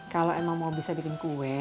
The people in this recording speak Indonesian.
kalau emang mau bisa bikin kue